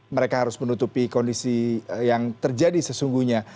mereka harus menutupi kondisi yang terjadi sesungguhnya